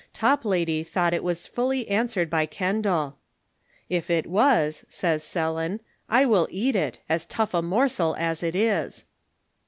Top lady thought it was fully answered by Kendal. "If it was," says Sellon, " I will eat it, as tough a morsel as it is."